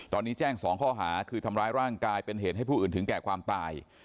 ตอนนี้แจ้ง๒ข้อหาคือทำร้ายร่างกายเป็นเหตุให้ผู้อื่นถึงแก่ความตาย